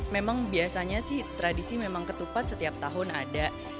memang biasanya sih tradisi memang ketupat setiap tahun ada